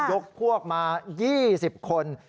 ยกพวกมา๒๐คน